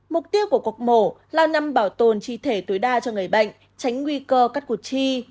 mục tiêu của cuộc mổ là nhằm bảo tồn chi thể tối đa cho người bệnh tránh nguy cơ cắt cụt chi